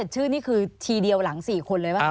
ชื่อนี่คือทีเดียวหลัง๔คนเลยป่ะ